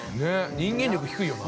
人間力低いよな。